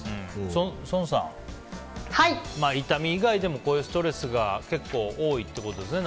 宋さん、痛み以外でもこういうストレスが結構多いということですね。